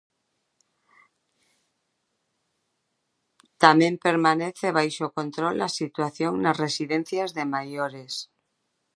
Tamén permanece baixo control a situación nas residencias de maiores.